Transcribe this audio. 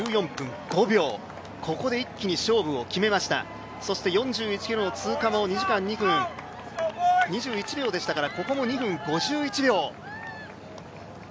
ここで一気に勝負を決めまして４１ｋｍの通過も２時間２分２１秒でしたからここも２２分５１秒。